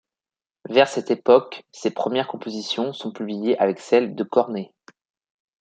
Vers cette époque, ses premières compositions sont publiées avec celles de Cornet.